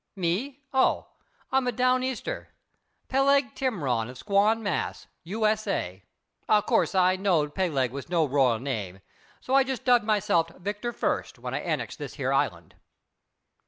"Me? Oh! I'm a 'down Easter.' Peleg Timrod of Squan, Mass., U. S. A. Of course, I knowed Peleg was no royal name, so I just dubbed myself Victor Fust when I annexed this here island."